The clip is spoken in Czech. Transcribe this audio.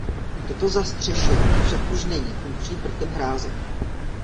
Toto zastřešení však už není funkčním prvkem hráze.